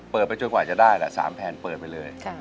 ไปจนกว่าจะได้แหละ๓แผ่นเปิดไปเลย